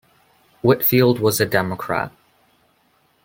Whitfield was a Democrat.